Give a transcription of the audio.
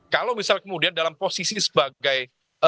kalau misal kemudian dalam posisi sebagai